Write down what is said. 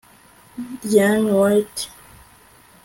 ryan white